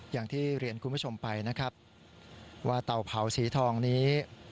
อย่างที่เรียนคุณผู้ชมไปนะครับว่าเตาเผาสีทองนี้